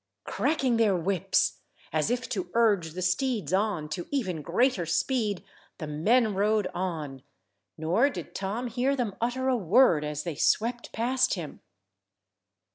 Cracking their whips, as if to urge the steeds on to even greater speed, the men rode on, nor did Tom hear them utter a word as they swept past him.